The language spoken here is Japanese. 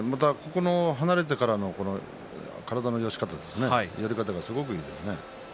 離れてからの体の寄り方がすごくいいですね。